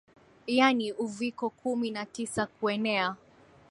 Yaani Uviko kumi na tisa kuenea